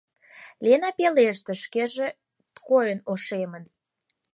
— Лена пелештыш, шкеже койын ошемын.